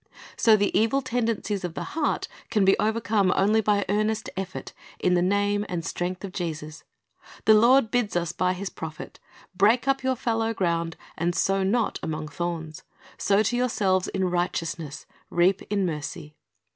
So the evil tendencies of the natural heart can be overcome only by earnest effort in the name and strength of Jesus. The Lord bids us by His prophet, "Break up your fallow ground, and sow not among thorns." "Sow to yourselves in righteousness; reap in mercy.